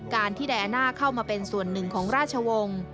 การที่ไดอาน่าเข้ามาเป็นส่วนหนึ่งของราชวงศ์